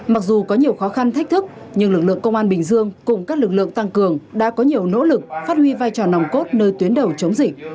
mặc dù có nhiều khó khăn thách thức nhưng lực lượng công an bình dương cùng các lực lượng tăng cường đã có nhiều nỗ lực phát huy vai trò nòng cốt nơi tuyến đầu chống dịch